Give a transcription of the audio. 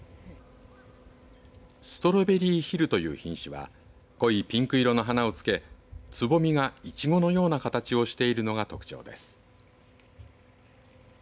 ストロベリー・ヒルという品種は濃いピンク色の花をつけつぼみが、いちごのような形をしているのが特徴です。